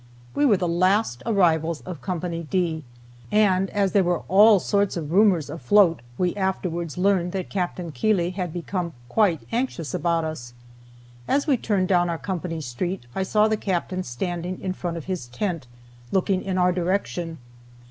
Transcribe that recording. We were the last arrivals of Co. D, and, as there were all sorts of rumors afloat, we afterwards learned that Capt. Keeley had become quite anxious about us. As we turned down our company street I saw the Captain standing in front of his tent, looking in our direction.